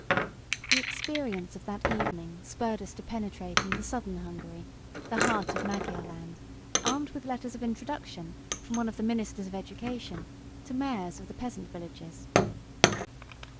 The experience of that evening spurred us to penetrate into southern Hungary, the heart of Magyar land, armed with letters of introduction, from one of the ministers of education, to mayors of the peasant villages.